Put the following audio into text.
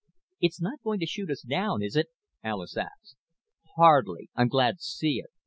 "It's not going to shoot us down, is it?" Alis asked. "Hardly. I'm glad to see it.